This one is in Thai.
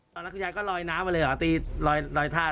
แล้วคุณยายก็ลอยน้ำมาเลยหรือตีปิดท่า